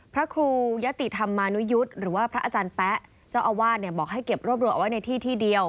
พระครูยะติธรรมานุยุทธ์หรือว่าพระอาจารย์แป๊ะเจ้าอาวาสเนี่ยบอกให้เก็บรวบรวมเอาไว้ในที่ที่เดียว